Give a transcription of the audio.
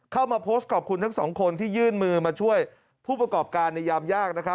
เข้ามาโพสต์ขอบคุณทั้งสองคนที่ยื่นมือมาช่วยผู้ประกอบการในยามยากนะครับ